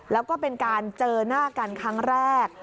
แล้วก็เป็นการเจอหน้ากันครั้งแรก